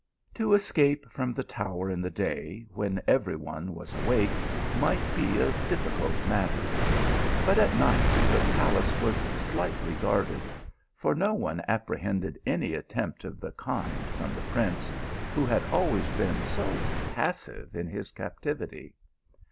To escape from the tower in the day, when every one was awake, might be a difficult matter ; but at night the palace was slightly guarded, for no one apprehended any attempt of the kind from the prince, who had always been so passive in his cap tivity.